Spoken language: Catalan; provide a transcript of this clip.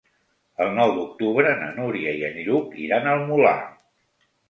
El nou d'octubre na Núria i en Lluc iran al Molar.